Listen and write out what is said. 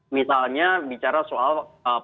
misalnya bicara soal